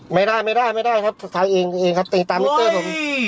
ไม่ได้ไม่ได้ไม่ได้ครับถ่ายเองเองครับติดตามมิตเตอร์ผม